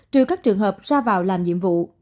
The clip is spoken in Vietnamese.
trừ các trường hợp ra vào làm nhiệm vụ